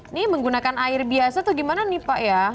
ini menggunakan air biasa atau gimana nih pak ya